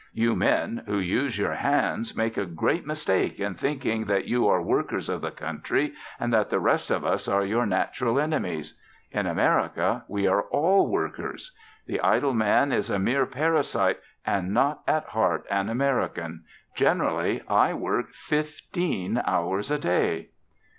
You men, who use your hands, make a great mistake in thinking that you are the workers of the country and that the rest of us are your natural enemies. In America, we are all workers! The idle man is a mere parasite and not at heart an American. Generally, I work fifteen hours a day.